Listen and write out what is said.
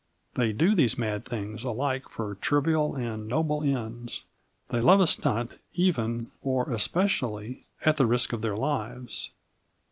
They do these mad things alike for trivial and noble ends. They love a stunt even (or especially) at the risk of their lives.